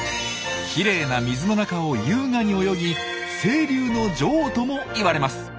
きれいな水の中を優雅に泳ぎ「清流の女王」ともいわれます。